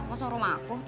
masuk rumah aku